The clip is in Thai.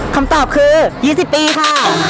คำตอบคือ๒๐ปีค่ะ